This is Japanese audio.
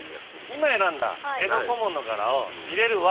今選んだ江戸小紋の柄を入れる枠。